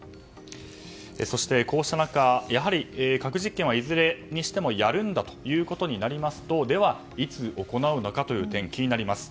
そして、こうした中やはり核実験はいずれにしてもやるんだということになりますとでは、いつ行うのかという点が気になります。